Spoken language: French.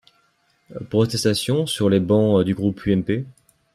Protestations sur les bancs du groupe UMP.